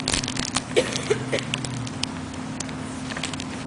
Muslimové nejprve dobyli Babylón a poté vzali útokem Alexandrii.